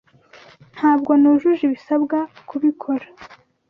Ntabwo nujuje ibisabwa kubikora.